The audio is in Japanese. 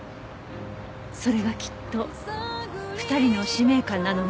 それがきっと２人の使命感なのね。